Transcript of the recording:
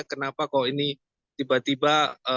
kenapa kok ini tiba tiba